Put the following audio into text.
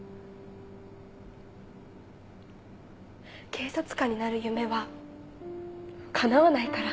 警察官になる夢はかなわないから。